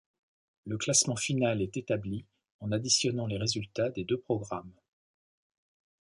Le classement final est établi en additionnant les résultats des deux programmes.